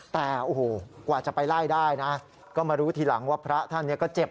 แต่โอ้โหกว่าจะไปไล่ได้นะก็มารู้ทีหลังว่าพระท่านเนี่ยก็เจ็บ